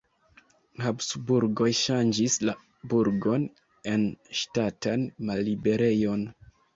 Habsburgoj ŝanĝis la burgon en ŝtatan malliberejon.